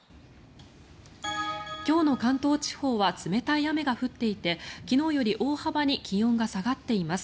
今日の関東地方は冷たい雨が降っていて昨日より大幅に気温が下がっています。